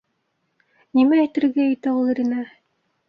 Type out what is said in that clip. Нимә әйтергә итә ул иренә?